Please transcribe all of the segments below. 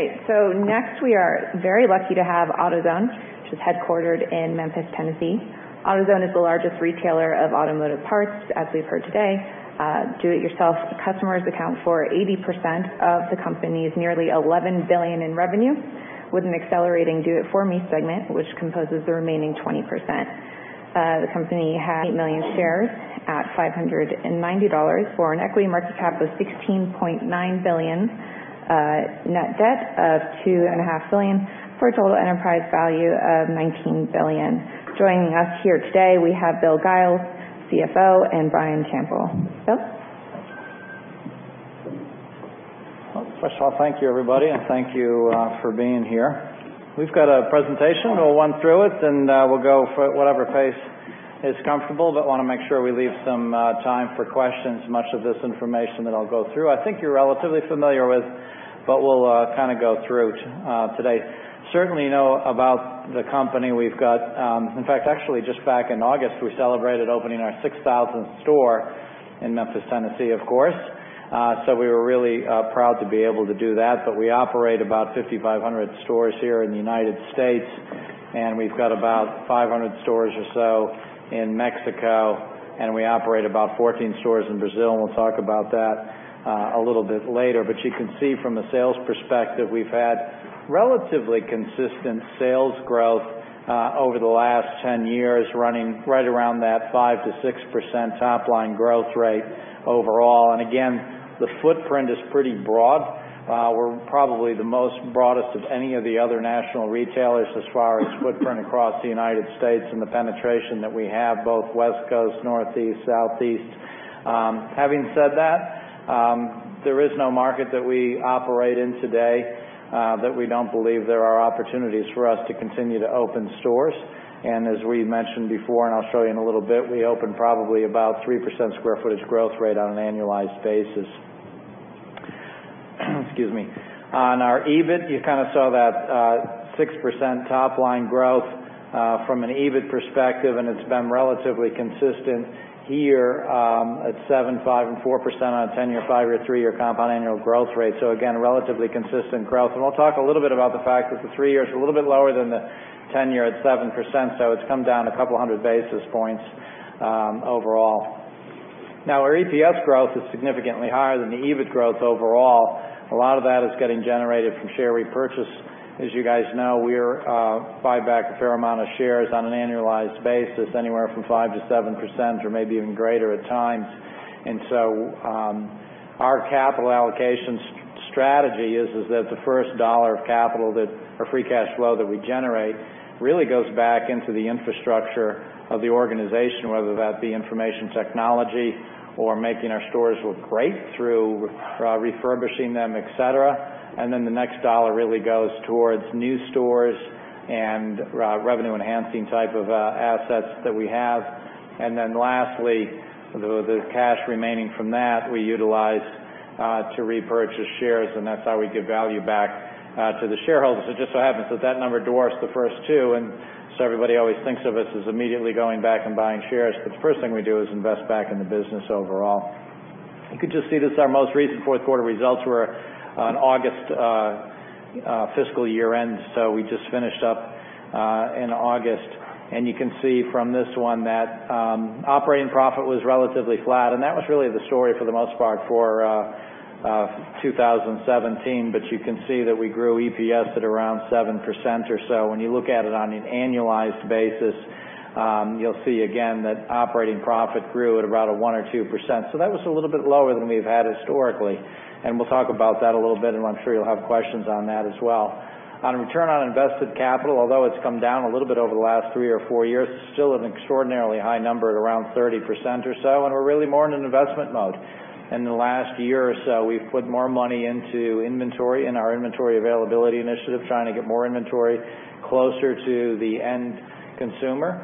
Next, we are very lucky to have AutoZone, which is headquartered in Memphis, Tennessee. AutoZone is the largest retailer of automotive parts, as we've heard today. Do-it-yourself customers account for 80% of the company's nearly $11 billion in revenue, with an accelerating Do-It-For-Me segment, which composes the remaining 20%. The company had 28 million shares at $590 for an equity market cap of $16.9 billion, net debt of $2.5 billion for a total enterprise value of $19 billion. Joining us here today, we have Bill Giles, CFO, and Brian Campbell. Bill? First of all, thank you everybody, and thank you for being here. We've got a presentation. We'll run through it, we'll go for whatever pace is comfortable, want to make sure we leave some time for questions. Much of this information that I'll go through, I think you're relatively familiar with, we'll go through today. Certainly know about the company we've got. In fact, actually, just back in August, we celebrated opening our 6,000th store in Memphis, Tennessee, of course. We were really proud to be able to do that. We operate about 5,500 stores here in the U.S., we've got about 500 stores or so in Mexico, we operate about 14 stores in Brazil, we'll talk about that a little bit later. You can see from a sales perspective, we've had relatively consistent sales growth over the last 10 years, running right around that 5%-6% top-line growth rate overall. Again, the footprint is pretty broad. We're probably the most broadest of any of the other national retailers as far as footprint across the U.S. and the penetration that we have, both West Coast, Northeast, Southeast. Having said that, there is no market that we operate in today that we don't believe there are opportunities for us to continue to open stores. As we mentioned before, I'll show you in a little bit, we open probably about 3% square footage growth rate on an annualized basis. Excuse me. On our EBIT, you kind of saw that 6% top-line growth from an EBIT perspective, it's been relatively consistent here at 7%, 5%, and 4% on a 10-year, five-year, three-year compound annual growth rate. Again, relatively consistent growth. We'll talk a little bit about the fact that the 3 years are a little bit lower than the 10-year at 7%, it's come down a couple of hundred basis points overall. Our EPS growth is significantly higher than the EBIT growth overall. A lot of that is getting generated from share repurchase. As you guys know, we buy back a fair amount of shares on an annualized basis, anywhere from 5%-7%, or maybe even greater at times. Our capital allocation strategy is that the first dollar of capital or free cash flow that we generate really goes back into the infrastructure of the organization, whether that be information technology or making our stores look great through refurbishing them, et cetera. The next dollar really goes towards new stores and revenue-enhancing type of assets that we have. Lastly, the cash remaining from that we utilize to repurchase shares, and that's how we give value back to the shareholders. It just so happens that that number dwarfs the first two, and so everybody always thinks of us as immediately going back and buying shares. The first thing we do is invest back in the business overall. You could just see this, our most recent fourth quarter results were on August fiscal year-end, so we just finished up in August. You can see from this one that operating profit was relatively flat, and that was really the story for the most part for 2017. You can see that we grew EPS at around 7% or so. When you look at it on an annualized basis, you'll see again that operating profit grew at around a 1% or 2%. That was a little bit lower than we've had historically, and we'll talk about that a little bit, and I'm sure you'll have questions on that as well. On return on invested capital, although it's come down a little bit over the last three or four years, it's still an extraordinarily high number at around 30% or so, and we're really more in an investment mode. In the last year or so, we've put more money into inventory and our inventory availability initiative, trying to get more inventory closer to the end consumer.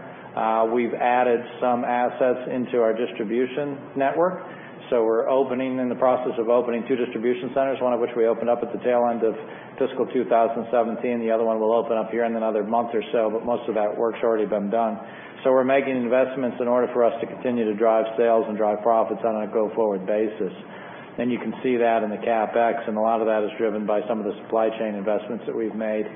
We've added some assets into our distribution network, so we're in the process of opening two distribution centers, one of which we opened up at the tail end of fiscal 2017. The other one will open up here in another month or so, but most of that work's already been done. We're making investments in order for us to continue to drive sales and drive profits on a go-forward basis. You can see that in the CapEx, and a lot of that is driven by some of the supply chain investments that we've made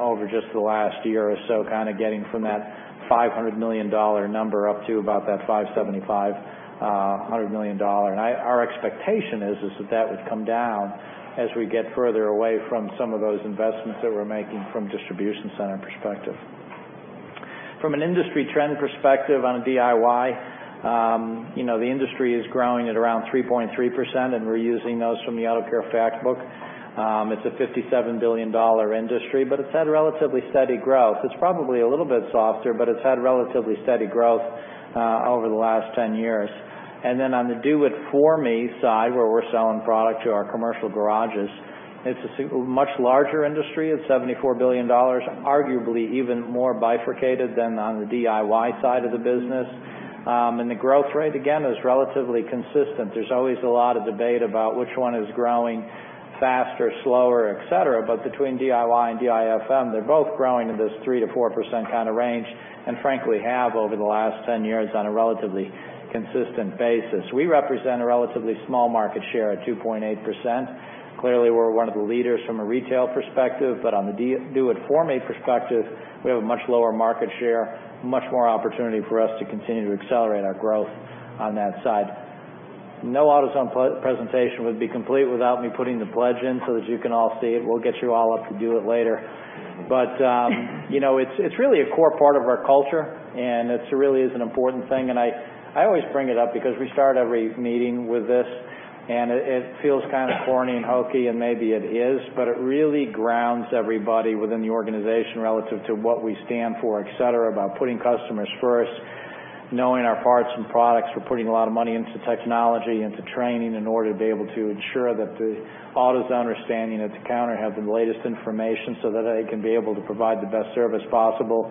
over just the last year or so, kind of getting from that $500 million number up to about that $575 million. Our expectation is that that would come down as we get further away from some of those investments that we're making from distribution center perspective. From an industry trend perspective on DIY, the industry is growing at around 3.3%, and we're using those from the Auto Care Fact Book. It's a $57 billion industry, but it's had relatively steady growth. It's probably a little bit softer, but it's had relatively steady growth over the last 10 years. On the Do It For Me side, where we're selling product to our commercial garages, it's a much larger industry. It's $74 billion, arguably even more bifurcated than on the DIY side of the business. The growth rate, again, is relatively consistent. There's always a lot of debate about which one is growing Faster, slower, et cetera. Between DIY and DIFM, they're both growing in this 3%-4% kind of range, and frankly, have over the last 10 years on a relatively consistent basis. We represent a relatively small market share at 2.8%. Clearly, we're one of the leaders from a retail perspective, but on the Do-It-For-Me perspective, we have a much lower market share, much more opportunity for us to continue to accelerate our growth on that side. No AutoZone presentation would be complete without me putting the pledge in so that you can all see it. We'll get you all up to do it later. It's really a core part of our culture, and it really is an important thing. I always bring it up because we start every meeting with this, and it feels kind of corny and hokey, and maybe it is, but it really grounds everybody within the organization relative to what we stand for, et cetera, about putting customers first, knowing our parts and products. We're putting a lot of money into technology, into training in order to be able to ensure that the AutoZoners standing at the counter have the latest information so that they can be able to provide the best service possible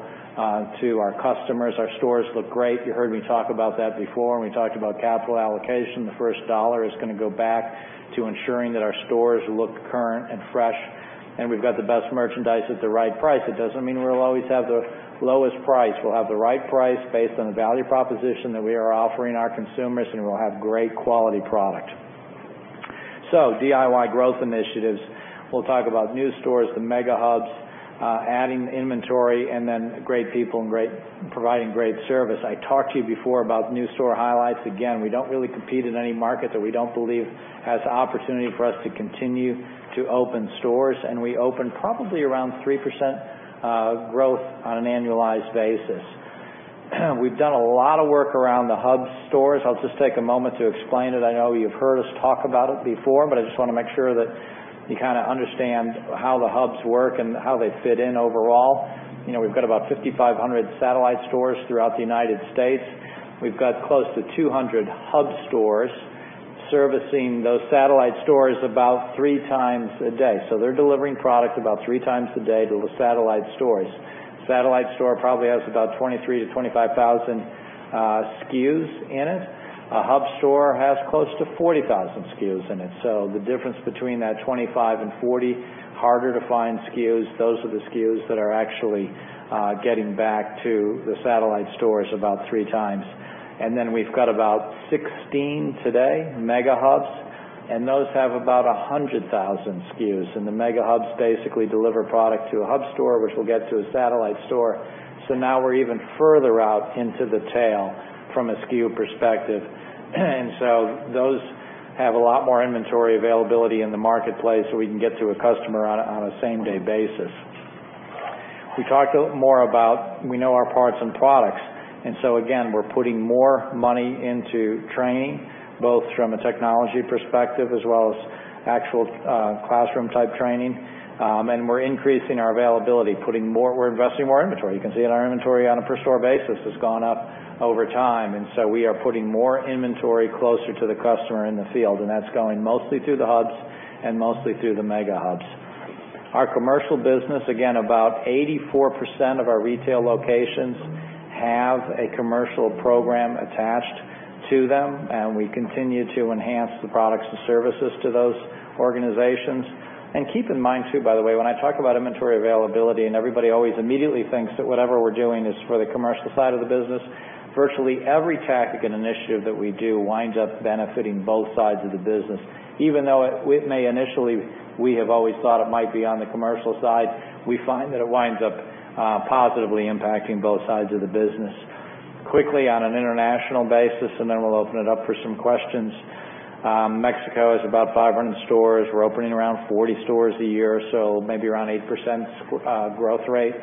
to our customers. Our stores look great. You heard me talk about that before when we talked about capital allocation. The first dollar is going to go back to ensuring that our stores look current and fresh, and we've got the best merchandise at the right price. It doesn't mean we'll always have the lowest price. We'll have the right price based on the value proposition that we are offering our consumers, and we'll have great quality product. DIY growth initiatives. We'll talk about new stores, the mega hubs, adding inventory, and then great people and providing great service. I talked to you before about new store highlights. Again, we don't really compete in any market that we don't believe has the opportunity for us to continue to open stores. We open probably around 3% growth on an annualized basis. We've done a lot of work around the hub stores. I'll just take a moment to explain it. I know you've heard us talk about it before, but I just want to make sure that you understand how the hubs work and how they fit in overall. We've got about 5,500 satellite stores throughout the U.S. We've got close to 200 hub stores servicing those satellite stores about three times a day. They're delivering product about three times a day to the satellite stores. Satellite store probably has about 23,000-25,000 SKUs in it. A hub store has close to 40,000 SKUs in it. The difference between that 25,000 and 40,000, harder to find SKUs, those are the SKUs that are actually getting back to the satellite stores about three times. We've got about 16 today, mega hubs, and those have about 100,000 SKUs. The mega hubs basically deliver product to a hub store, which will get to a satellite store. Now we're even further out into the tail from a SKU perspective. Those have a lot more inventory availability in the marketplace, so we can get to a customer on a same-day basis. We talked more about we know our parts and products. Again, we're putting more money into training, both from a technology perspective as well as actual classroom-type training. We're increasing our availability. We're investing more inventory. You can see that our inventory on a per store basis has gone up over time. We are putting more inventory closer to the customer in the field, and that's going mostly through the hubs and mostly through the mega hubs. Our commercial business, again, about 84% of our retail locations have a commercial program attached to them, and we continue to enhance the products and services to those organizations. Keep in mind, too, by the way, when I talk about inventory availability and everybody always immediately thinks that whatever we're doing is for the commercial side of the business, virtually every tactic and initiative that we do winds up benefiting both sides of the business. Even though it may initially, we have always thought it might be on the commercial side, we find that it winds up positively impacting both sides of the business. Quickly on an international basis, then we'll open it up for some questions. Mexico has about 500 stores. We're opening around 40 stores a year, so maybe around 8% growth rate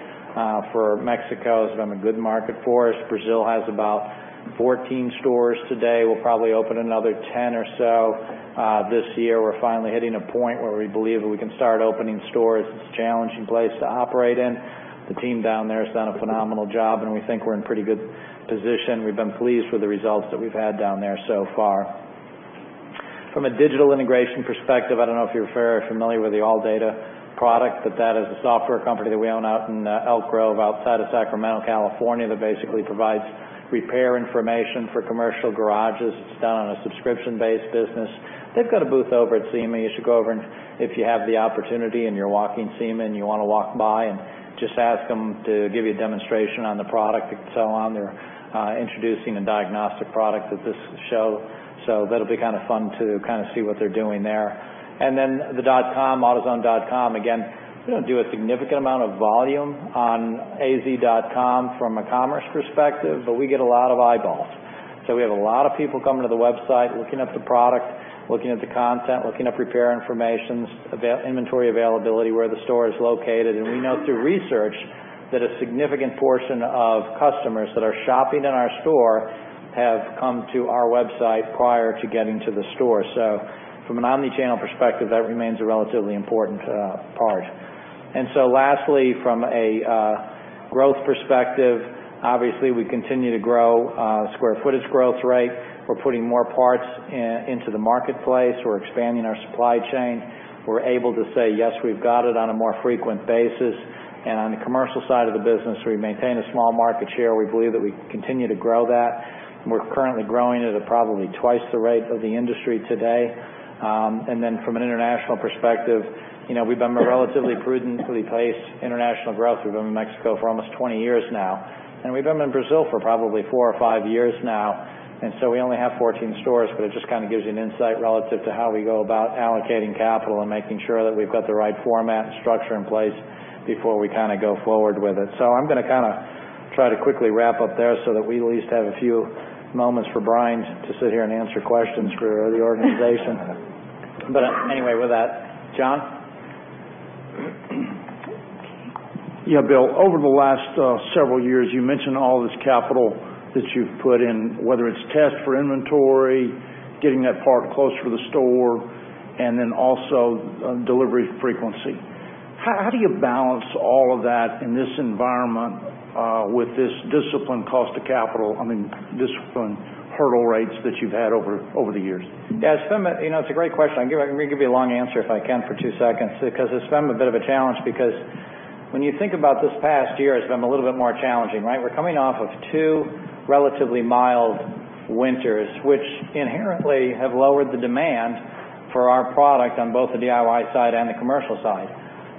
for Mexico. It's been a good market for us. Brazil has about 14 stores today. We'll probably open another 10 or so this year. We're finally hitting a point where we believe that we can start opening stores. It's a challenging place to operate in. The team down there has done a phenomenal job, and we think we're in pretty good position. We've been pleased with the results that we've had down there so far. From a digital integration perspective, I don't know if you're familiar with the ALLDATA product, but that is a software company that we own out in Elk Grove outside of Sacramento, California, that basically provides repair information for commercial garages. It's done on a subscription-based business. They've got a booth over at SEMA. You should go over, and if you have the opportunity and you're walking SEMA and you want to walk by and just ask them to give you a demonstration on the product and so on. They're introducing a diagnostic product at this show, so that'll be kind of fun to see what they're doing there. Then the dotcom, autozone.com. Again, we don't do a significant amount of volume on az.com from a commerce perspective, but we get a lot of eyeballs. We have a lot of people coming to the website, looking up the product, looking at the content, looking up repair informations, inventory availability, where the store is located. We know through research that a significant portion of customers that are shopping in our store have come to our website prior to getting to the store. From an omnichannel perspective, that remains a relatively important part. Lastly, from a growth perspective, obviously, we continue to grow square footage growth rate. We're putting more parts into the marketplace. We're expanding our supply chain. We're able to say, "Yes, we've got it on a more frequent basis." On the commercial side of the business, we maintain a small market share. We believe that we continue to grow that, we're currently growing at probably twice the rate of the industry today. From an international perspective, we've been relatively prudently paced international growth. We've been in Mexico for almost 20 years now, we've been in Brazil for probably four or five years now. We only have 14 stores, but it just gives you an insight relative to how we go about allocating capital and making sure that we've got the right format and structure in place before we go forward with it. I'm going to try to quickly wrap up there so that we at least have a few moments for Brian to sit here and answer questions for the organization. Anyway, with that, John? Yeah, Bill, over the last several years, you mentioned all this capital that you've put in, whether it's test for inventory, getting that part close for the store, also delivery frequency. How do you balance all of that in this environment with this disciplined cost of capital, I mean, disciplined hurdle rates that you've had over the years? It's a great question. I'm going to give you a long answer if I can for two seconds, because it's been a bit of a challenge because when you think about this past year, it's been a little bit more challenging, right? We're coming off of two relatively mild winters, which inherently have lowered the demand for our product on both the DIY side and the commercial side.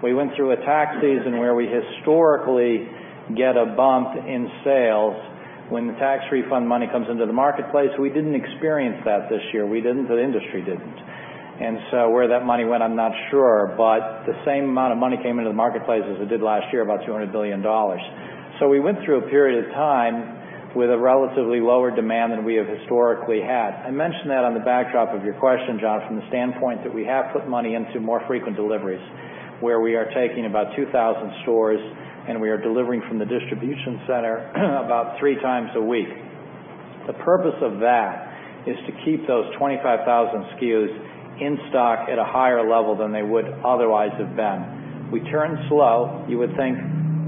We went through a tax season where we historically get a bump in sales when the tax refund money comes into the marketplace. We didn't experience that this year. We didn't, the industry didn't. Where that money went, I'm not sure, but the same amount of money came into the marketplace as it did last year, about $200 billion. We went through a period of time with a relatively lower demand than we have historically had. I mention that on the backdrop of your question, John, from the standpoint that we have put money into more frequent deliveries, where we are taking about 2,000 stores and we are delivering from the distribution center about three times a week. The purpose of that is to keep those 25,000 SKUs in stock at a higher level than they would otherwise have been. We turn slow. You would think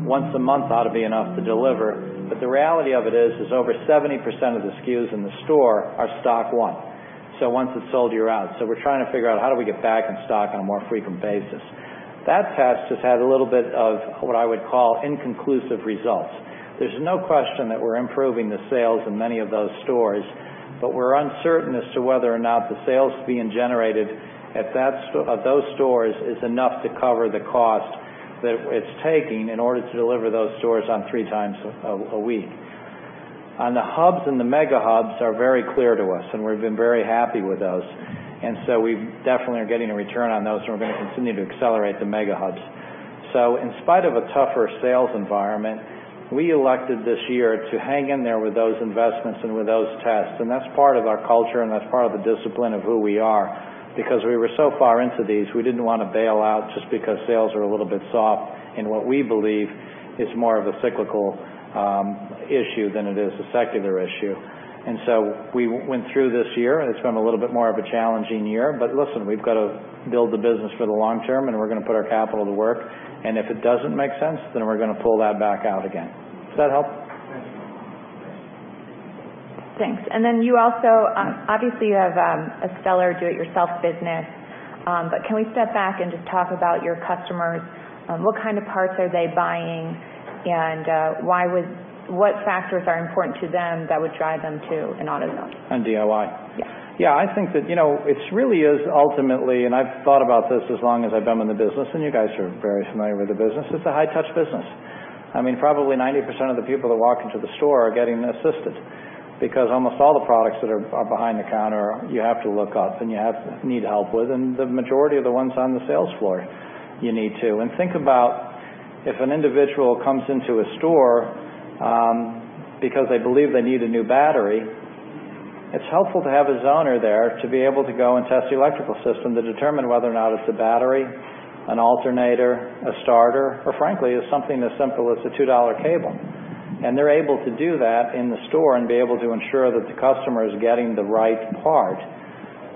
once a month ought to be enough to deliver, but the reality of it is over 70% of the SKUs in the store are stock one. Once it's sold, you're out. We're trying to figure out how do we get back in stock on a more frequent basis. That test has had a little bit of what I would call inconclusive results. There's no question that we're improving the sales in many of those stores, but we're uncertain as to whether or not the sales being generated of those stores is enough to cover the cost that it's taking in order to deliver those stores on three times a week. The hub stores and the mega hubs are very clear to us, and we've been very happy with those. We definitely are getting a return on those, and we're going to continue to accelerate the mega hubs. In spite of a tougher sales environment, we elected this year to hang in there with those investments and with those tests. That's part of our culture, and that's part of the discipline of who we are. Because we were so far into these, we didn't want to bail out just because sales are a little bit soft in what we believe is more of a cyclical issue than it is a secular issue. We went through this year, and it's been a little bit more of a challenging year. Listen, we've got to build the business for the long term, and we're going to put our capital to work. If it doesn't make sense, then we're going to pull that back out again. Does that help? Thanks. Thanks. You also, obviously, you have a stellar do-it-yourself business. Can we step back and just talk about your customers? What kind of parts are they buying? What factors are important to them that would drive them to an AutoZone? DIY? Yeah. Yeah, I think that it really is ultimately, and I've thought about this as long as I've been in the business, and you guys are very familiar with the business, it's a high-touch business. Probably 90% of the people that walk into the store are getting assisted because almost all the products that are behind the counter, you have to look up, and you need help with, and the majority of the ones on the sales floor you need, too. Think about if an individual comes into a store because they believe they need a new battery, it's helpful to have AutoZoners there to be able to go and test the electrical system to determine whether or not it's a battery, an alternator, a starter, or frankly, it's something as simple as a $2 cable. They're able to do that in the store and be able to ensure that the customer is getting the right part.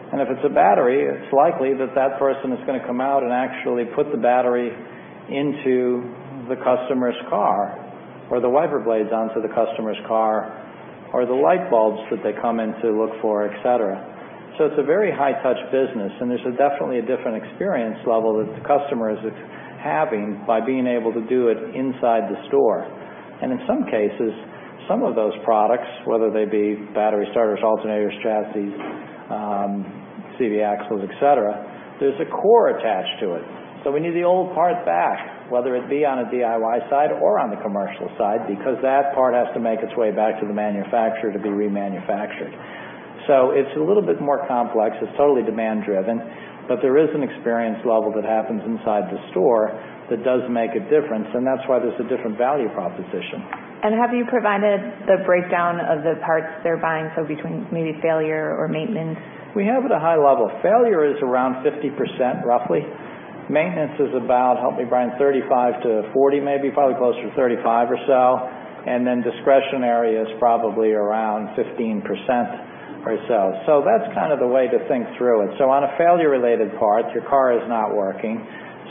If it's a battery, it's likely that that person is going to come out and actually put the battery into the customer's car, or the wiper blades onto the customer's car, or the light bulbs that they come in to look for, et cetera. It's a very high-touch business, and there's definitely a different experience level that the customer is having by being able to do it inside the store. In some cases, some of those products, whether they be battery starters, alternators, chassis, CV axles, et cetera, there's a core attached to it. We need the old part back, whether it be on a DIY side or on the commercial side, because that part has to make its way back to the manufacturer to be remanufactured. It's a little bit more complex. It's totally demand-driven, but there is an experience level that happens inside the store that does make a difference, and that's why there's a different value proposition. Have you provided the breakdown of the parts they're buying, so between maybe failure or maintenance? We have at a high level. Failure is around 50%, roughly. Maintenance is about, help me, Brian, 35%-40%, maybe, probably closer to 35% or so. Discretionary is probably around 15% or so. That's the way to think through it. On a failure-related part, your car is not working,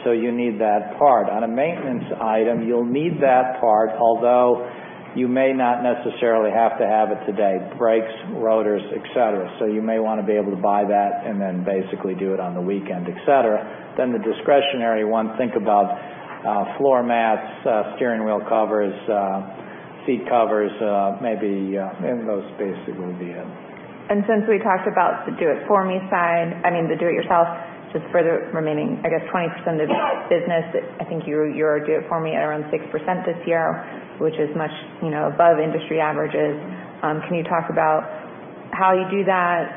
so you need that part. On a maintenance item, you'll need that part, although you may not necessarily have to have it today, brakes, rotors, et cetera. You may want to be able to buy that and then basically do it on the weekend, et cetera. The discretionary one, think about floor mats, steering wheel covers, seat covers, maybe. Those basically would be it. Since we talked about the Do-It-For-Me side, I mean, the Do-It-Yourself, just for the remaining, I guess, 20% of the business, I think your Do-It-For-Me at around 6% this year, which is much above industry averages. Can you talk about how you do that,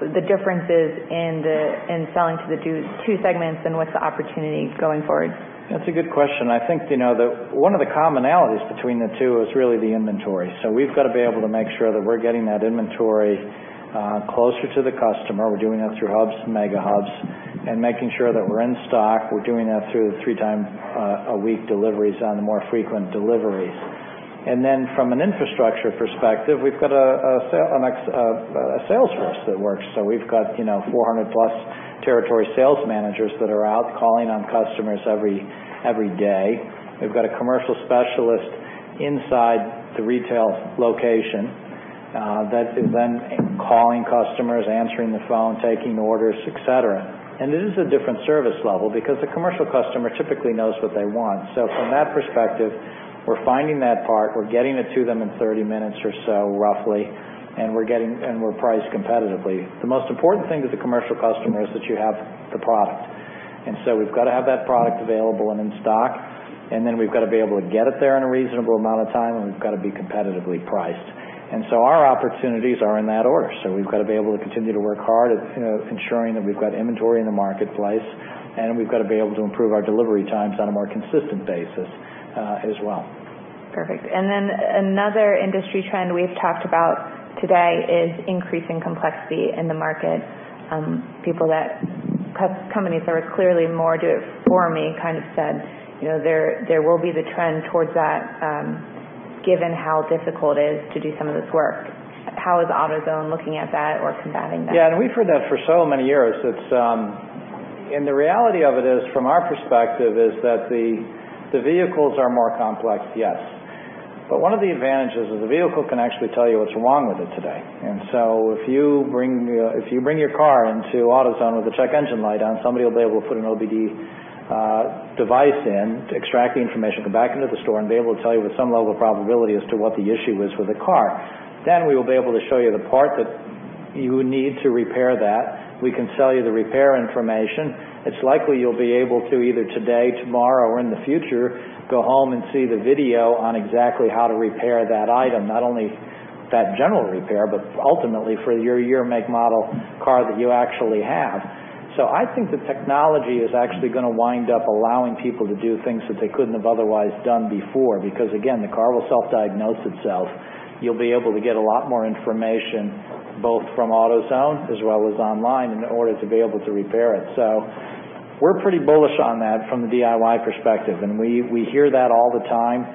the differences in selling to the two segments, and what's the opportunity going forward? That's a good question. I think one of the commonalities between the two is really the inventory. We've got to be able to make sure that we're getting that inventory closer to the customer. We're doing that through hub stores and mega hubs and making sure that we're in stock. We're doing that through the three-times-a-week deliveries on the more frequent deliveries. From an infrastructure perspective, we've got a sales force that works. We've got 400-plus territory sales managers that are out calling on customers every day. We've got a commercial specialist inside the retail location that is then calling customers, answering the phone, taking orders, et cetera. It is a different service level because the commercial customer typically knows what they want. From that perspective, we're finding that part, we're getting it to them in 30 minutes or so, roughly, and we're priced competitively. The most important thing to the commercial customer is that you have the product. We've got to have that product available and in stock, and then we've got to be able to get it there in a reasonable amount of time, and we've got to be competitively priced. Our opportunities are in that order. We've got to be able to continue to work hard at ensuring that we've got inventory in the marketplace, and we've got to be able to improve our delivery times on a more consistent basis as well. Perfect. Another industry trend we've talked about today is increasing complexity in the market. Companies that are clearly more Do-It-For-Me said there will be the trend towards that, given how difficult it is to do some of this work. How is AutoZone looking at that or combating that? Yeah, we've heard that for so many years. The reality of it is, from our perspective, is that the vehicles are more complex, yes. One of the advantages is the vehicle can actually tell you what's wrong with it today. If you bring your car into AutoZone with a check engine light on, somebody will be able to put an OBD device in to extract the information, go back into the store, and be able to tell you with some level of probability as to what the issue is with the car. We will be able to show you the part that you would need to repair that. We can sell you the repair information. It's likely you'll be able to, either today, tomorrow, or in the future, go home and see the video on exactly how to repair that item. Not only that general repair, ultimately for your year, make, model car that you actually have. I think the technology is actually going to wind up allowing people to do things that they couldn't have otherwise done before, because again, the car will self-diagnose itself. You'll be able to get a lot more information, both from AutoZone as well as online, in order to be able to repair it. We're pretty bullish on that from the DIY perspective. We hear that all the time,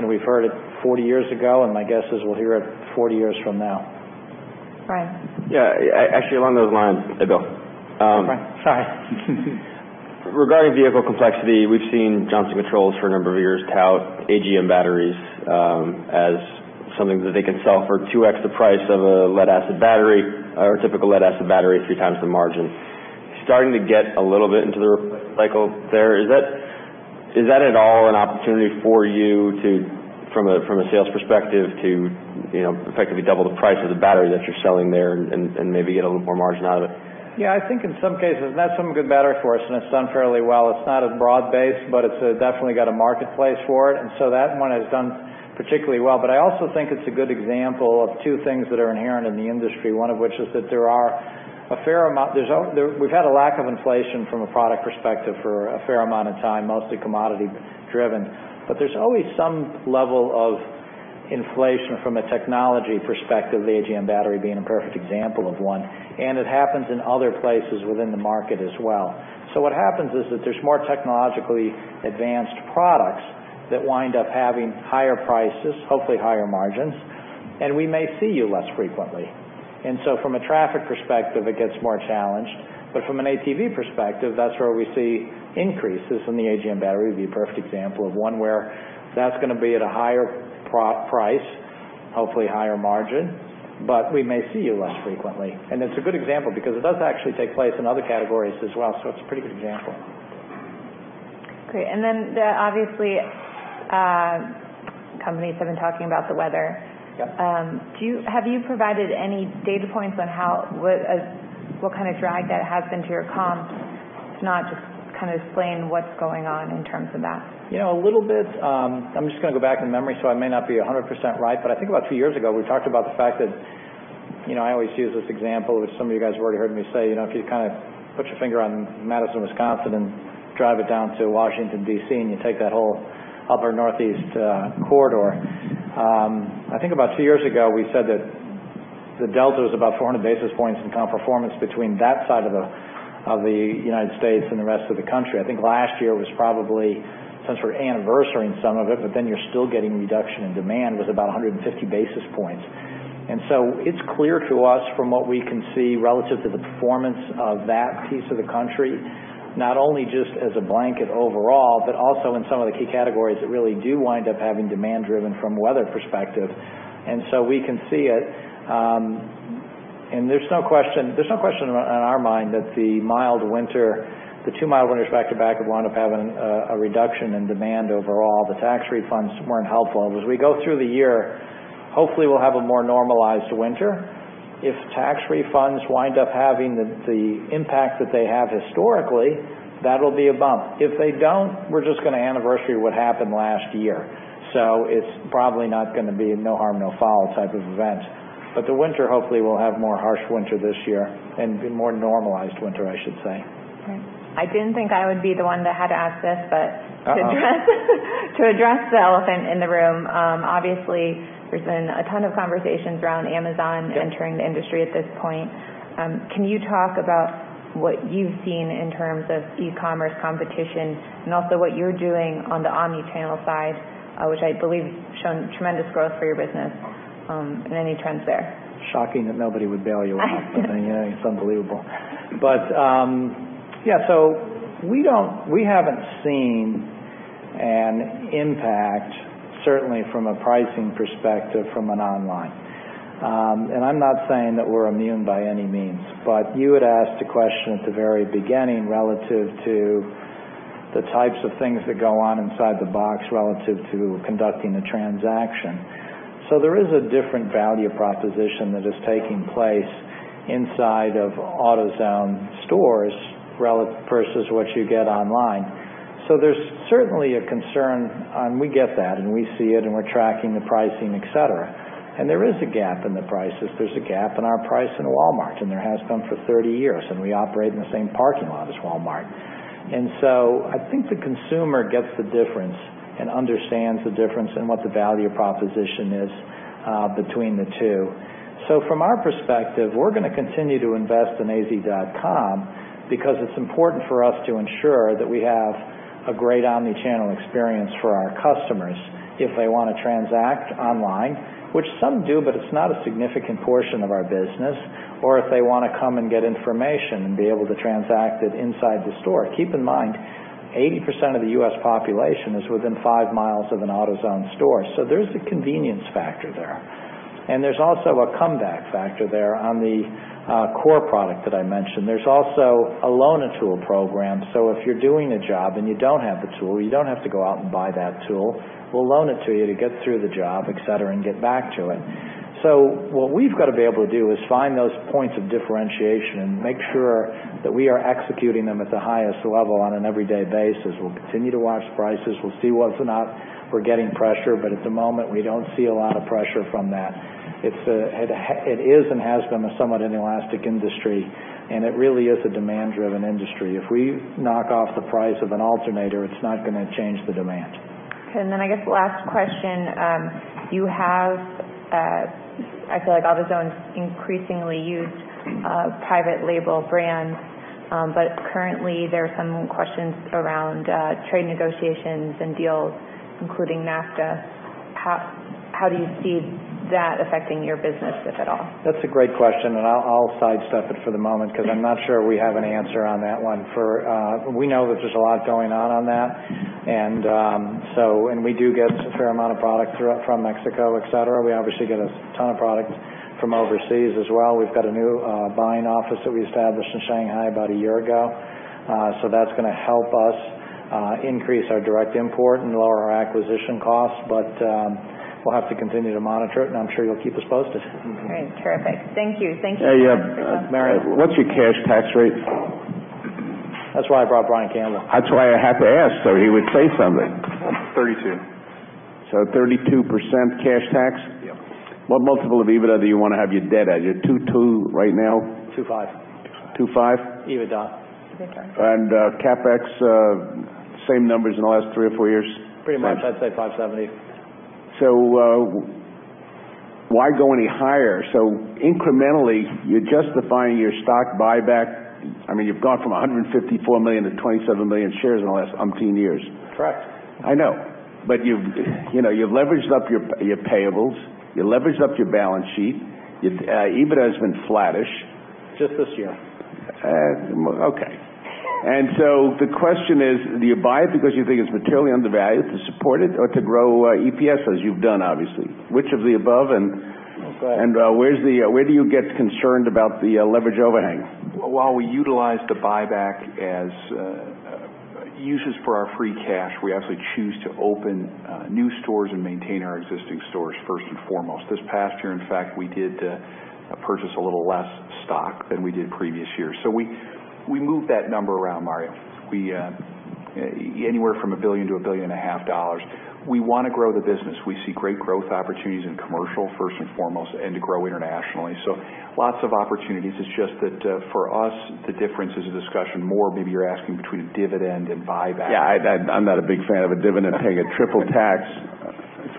and we've heard it 40 years ago, and my guess is we'll hear it 40 years from now. Brian. Yeah, actually, along those lines, Bill. Sorry. Regarding vehicle complexity, we've seen Johnson Controls for a number of years tout AGM batteries as something that they can sell for 2x the price of a typical lead-acid battery, three times the margin. Starting to get a little bit into the cycle there. Is that at all an opportunity for you, from a sales perspective, to effectively double the price of the battery that you're selling there and maybe get a little more margin out of it? Yeah, I think in some cases, and that's something good battery for us, and it's done fairly well. It's not as broad-based, but it's definitely got a marketplace for it. That one has done particularly well. I also think it's a good example of two things that are inherent in the industry. One of which is that we've had a lack of inflation from a product perspective for a fair amount of time, mostly commodity-driven. There's always some level of inflation from a technology perspective, the AGM battery being a perfect example of one, and it happens in other places within the market as well. What happens is that there's more technologically advanced products that wind up having higher prices, hopefully higher margins, and we may see you less frequently. From a traffic perspective, it gets more challenged. From an AOV perspective, that's where we see increases in the AGM battery, would be a perfect example of one where that's going to be at a higher price, hopefully higher margin, but we may see you less frequently. It's a good example because it does actually take place in other categories as well, so it's a pretty good example. Great. Obviously, companies have been talking about the weather. Yep. Have you provided any data points on what kind of drag that has been to your comp, to not just explain what's going on in terms of that? A little bit. I'm just going to go back in memory, so I may not be 100% right, but I think about two years ago, we talked about the fact that, I always use this example, which some of you guys have already heard me say, if you put your finger on Madison, Wisconsin, and drive it down to Washington, D.C., and you take that whole upper Northeast corridor. I think about two years ago, we said that the delta was about 400 basis points in comp performance between that side of the United States and the rest of the country. I think last year was probably, since we're anniversarying some of it, but then you're still getting reduction in demand, was about 150 basis points. It's clear to us from what we can see relative to the performance of that piece of the country, not only just as a blanket overall, but also in some of the key categories that really do wind up having demand driven from weather perspective. We can see it. There's no question in our mind that the two mild winters back to back would wind up having a reduction in demand overall. The tax refunds weren't helpful. As we go through the year, hopefully we'll have a more normalized winter. If tax refunds wind up having the impact that they have historically, that'll be a bump. If they don't, we're just going to anniversary what happened last year. It's probably not going to be no harm, no foul type of event. The winter, hopefully we'll have more harsh winter this year and be more normalized winter, I should say. Okay. I didn't think I would be the one that had to ask this. Uh-oh To address the elephant in the room, obviously there's been a ton of conversations around Amazon entering the industry at this point. Can you talk about what you've seen in terms of e-commerce competition and also what you're doing on the omni-channel side, which I believe shown tremendous growth for your business, and any trends there? Shocking that nobody would bail you out. It's unbelievable. Yeah, we haven't seen an impact, certainly from a pricing perspective, from an online. I'm not saying that we're immune by any means, but you had asked a question at the very beginning relative to the types of things that go on inside the box relative to conducting a transaction. There is a different value proposition that is taking place inside of AutoZone stores versus what you get online. There's certainly a concern, and we get that, and we see it, and we're tracking the pricing, et cetera. There is a gap in the prices. There's a gap in our price in Walmart, and there has been for 30 years, and we operate in the same parking lot as Walmart. I think the consumer gets the difference and understands the difference in what the value proposition is between the two. From our perspective, we're going to continue to invest in az.com because it's important for us to ensure that we have a great omni-channel experience for our customers if they want to transact online, which some do, but it's not a significant portion of our business, or if they want to come and get information and be able to transact it inside the store. Keep in mind, 80% of the U.S. population is within five miles of an AutoZone store, there's a convenience factor there. There's also a comeback factor there on the core product that I mentioned. There's also a Loan-A-Tool program, so if you're doing a job and you don't have the tool, you don't have to go out and buy that tool. We'll loan it to you to get through the job, et cetera, and get back to it. What we've got to be able to do is find those points of differentiation and make sure that we are executing them at the highest level on an everyday basis. We'll continue to watch prices. We'll see what's enough. We're getting pressure, but at the moment, we don't see a lot of pressure from that. It is and has been a somewhat inelastic industry, and it really is a demand-driven industry. If we knock off the price of an alternator, it's not going to change the demand. Okay, I guess last question. I feel like AutoZone's increasingly used private label brands, but currently there are some questions around trade negotiations and deals, including NAFTA. How do you see that affecting your business, if at all? That's a great question. I'll sidestep it for the moment because I'm not sure we have an answer on that one. We know that there's a lot going on on that, and we do get a fair amount of product from Mexico, et cetera. We obviously get a ton of product from overseas as well. We've got a new buying office that we established in Shanghai about a year ago. That's going to help us increase our direct import and lower our acquisition costs. We'll have to continue to monitor it, and I'm sure you'll keep us posted. Great. Terrific. Thank you. Hey, yeah, Mario, what's your cash tax rate? That's why I brought Brian Campbell. That's why I had to ask, so he would say something. 32. 32% cash tax? Yep. What multiple of EBITDA do you want to have your debt at? You're 2.2 right now? 2.5. 2.5? EBITDA. Okay. CapEx, same numbers in the last three or four years? Pretty much. I'd say $570. Why go any higher? Incrementally, you're justifying your stock buyback. I mean, you've gone from 154 million to 27 million shares in the last umpteen years. Correct. I know. You've leveraged up your payables. You leveraged up your balance sheet. Your EBITDA has been flattish. Just this year. Okay. The question is, do you buy it because you think it's materially undervalued to support it or to grow EPS, as you've done, obviously? Which of the above. We'll say- Where do you get concerned about the leverage overhang? While we utilize the buyback as uses for our free cash, we actually choose to open new stores and maintain our existing stores first and foremost. This past year, in fact, we did purchase a little less stock than we did previous years. We move that number around, Mario. Anywhere from $1 billion to $1.5 billion. We want to grow the business. We see great growth opportunities in Commercial, first and foremost, and to grow internationally. Lots of opportunities. It's just that for us, the difference is a discussion more maybe you're asking between a dividend and buyback. Yeah, I'm not a big fan of a dividend. Paying a triple tax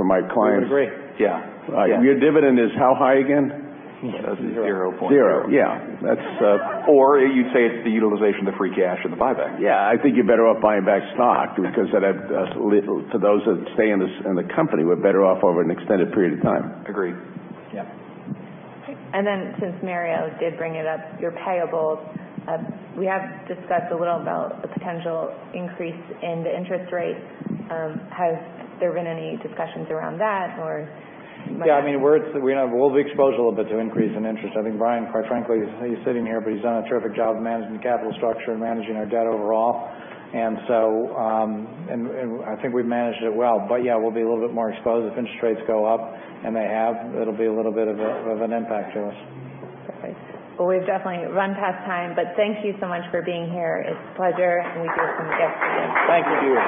for my clients. We would agree. Yeah. Yeah. Your dividend is how high again? Zero point zero. Zero. Yeah. You'd say it's the utilization of the free cash or the buyback. Yeah, I think you're better off buying back stock because to those that stay in the company, we're better off over an extended period of time. Agreed. Yeah. Okay. Since Mario did bring it up, your payables, we have discussed a little about the potential increase in the interest rates. Has there been any discussions around that? We'll be exposed a little bit to increase in interest. I think Brian, quite frankly, he's sitting here, he's done a terrific job of managing the capital structure and managing our debt overall, I think we've managed it well. We'll be a little bit more exposed if interest rates go up, and they have. It'll be a little bit of an impact to us. Perfect. Well, we've definitely run past time, thank you so much for being here. It's a pleasure, we do appreciate you. Thank you to you.